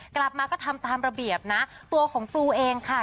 กลับมาก็ทำตามระเบียบนะตัวของปลูเองค่ะ